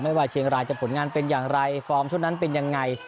ว่าเชียงรายจะผลงานเป็นอย่างไรฟอร์มชุดนั้นเป็นยังไง